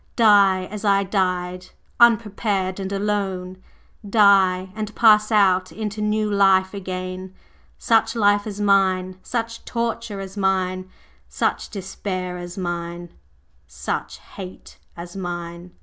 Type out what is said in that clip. die as I died, unprepared and alone! Die, and pass out into new life again such life as mine such torture as mine such despair as mine such hate as mine!